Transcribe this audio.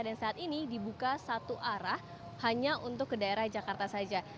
dan saat ini dibuka satu arah hanya untuk ke daerah jakarta saja